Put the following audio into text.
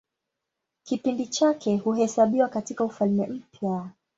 Kipindi chake huhesabiwa katIka Ufalme Mpya.